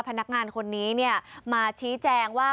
พนักงานคนนี้มาชี้แจงว่า